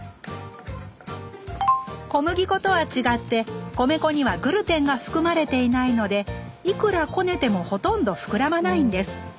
小麦粉とは違って米粉にはグルテンが含まれていないのでいくらこねてもほとんど膨らまないんです。